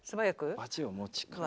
バチを持ち替えて。